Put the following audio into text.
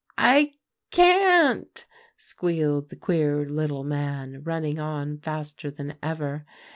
"'I can't,' squealed the queer little man, running on faster than ever.